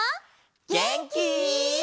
げんき？